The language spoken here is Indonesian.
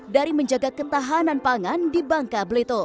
dari menjaga ketahanan pangan di bangka belitung